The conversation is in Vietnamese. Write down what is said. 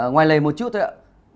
ngoài lời một chút thôi ạ